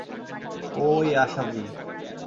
ওয় আশা জী।